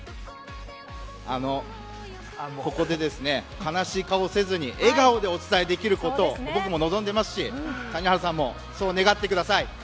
ここでですね悲しい顔をせずに笑顔でお伝えできることを僕も望んでいますし谷原さんもそう願ってください。